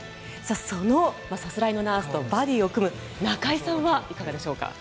そのさすらいのナースとバディを組む中井さんはいかがでしょうか。